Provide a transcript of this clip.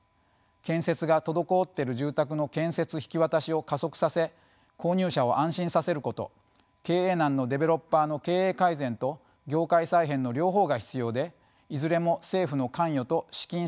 建設が滞っている住宅の建設・引き渡しを加速させ購入者を安心させること経営難のデベロッパーの経営改善と業界再編の両方が必要でいずれも政府の関与と資金支援が不可欠です。